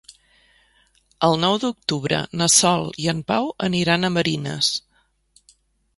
El nou d'octubre na Sol i en Pau aniran a Marines.